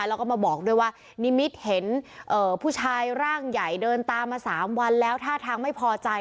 แล้วก็มาบอกด้วยว่านิมิตเห็นผู้ชายร่างใหญ่เดินตามมา๓วันแล้วท่าทางไม่พอใจ